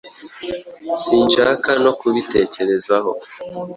Sinshaka no kubitekerezaho.